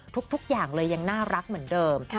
ทุกอย่างเลยยังน่ารักเหมือนเดิม